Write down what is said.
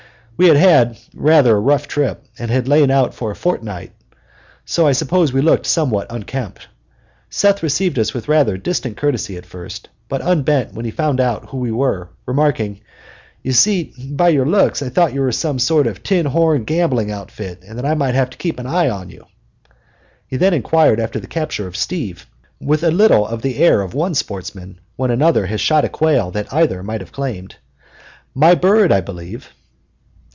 We had had rather a rough trip, and had lain out for a fortnight, so I suppose we looked somewhat unkempt. Seth received us with rather distant courtesy at first, but unbent when he found out who we were, remarking, "You see, by your looks I thought you were some kind of a tin horn gambling outfit, and that I might have to keep an eye on you!" He then inquired after the capture of "Steve" with a little of the air of one sportsman when another has shot a quail that either might have claimed "My bird, I believe?"